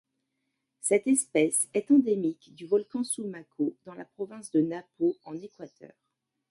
Cette espèce est endémique du volcan Sumaco dans la province de Napo en Équateur.